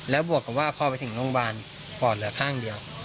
แล้วบวกกับว่าพอไปถึงโรงพยาบาลปอดเหลือข้างเดียว